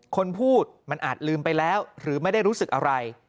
คนพูดมันอาจลืมไปแล้วหรือไม่ได้รู้สึกอะไร